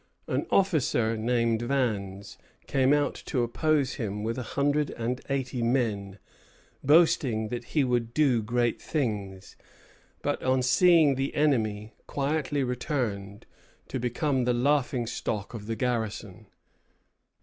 An officer named Vannes came out to oppose him with a hundred and eighty men, boasting that he would do great things; but on seeing the enemy, quietly returned, to become the laughing stock of the garrison.